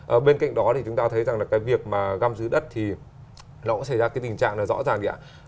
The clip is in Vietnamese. ở bên cạnh đó thì chúng ta thấy rằng là cái việc mà găm dưới đất thì nó cũng xảy ra cái tình trạng là rõ ràng